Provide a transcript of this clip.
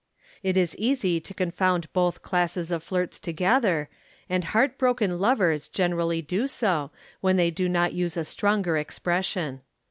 It is easy to confound both classes of flirts together, and heartbroken lovers generally do so, when they do not use a stronger expression.